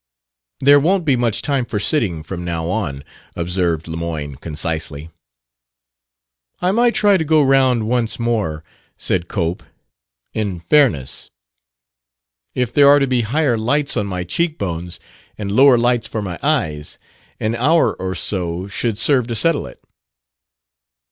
"There won't be much time for sitting, from now on," observed Lemoyne concisely. "I might try to go round once more," said Cope, " in fairness. If there are to be higher lights on my cheekbones and lower lights for my eyes, an hour or so should serve to settle it."